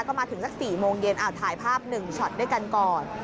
ก็มาถึงสัก๔โมงเย็นถ่ายภาพ๑ช็อตด้วยกันก่อน